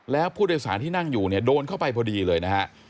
แล้วผู้โดยสารที่นั่งอยู่เนี่ยโดนเข้าไปพอดีเลยนะฮะ